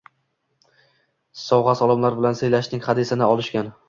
sovg‘a-salomlar bilan siylashning hadisini olishgan.